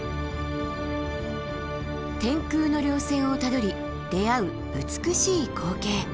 天空の稜線をたどり出会う美しい光景。